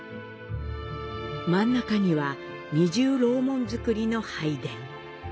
真ん中には、二重楼門造りの拝殿。